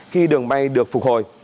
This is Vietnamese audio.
khi đường bay được phục hồi